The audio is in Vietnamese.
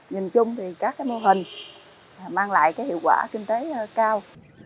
nhìn chung thì các mô hình mang lại hiệu quả kinh tế cao